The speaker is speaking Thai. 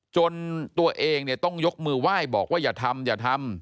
จนตัวเองเนี่ยต้องยกมือไหว้บอกว่าอย่าทำอย่าทำ